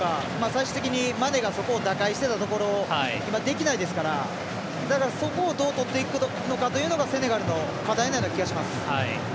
最終的にマネがそこを打開してたところを今、できないですからそこをどうとっていくかというのがセネガルの課題のような気がします。